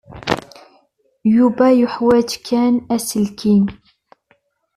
Yuba yeḥwaj kan aselkim.